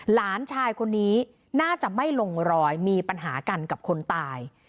หลานชายคนนี้น่าจะไม่ลงรอยมีปัญหากันกับคนตาย